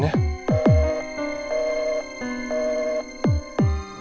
siapa sih telfonnya